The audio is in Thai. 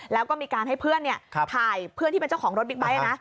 แล้วก็มีการให้เพื่อนถ่ายเพื่อนที่เป็นเจ้าของรถบิ๊กไบท์นะ